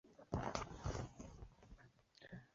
戈阿人口变化图示